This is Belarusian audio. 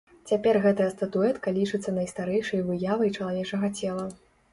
Цяпер гэтая статуэтка лічыцца найстарэйшай выявай чалавечага цела.